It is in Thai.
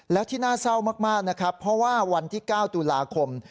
แล้วที่น่าเศร้ามากนะครับเพราะว่าวันที่๙ตุลาคม